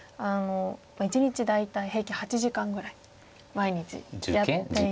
１日大体平均８時間ぐらい毎日やっていて。